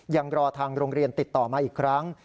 ยังรอทางโรงเรียนติดต่อมาอีกครั้ง